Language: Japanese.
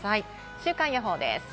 週間予報です。